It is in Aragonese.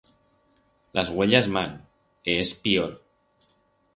Las uellas mal, e ers pior.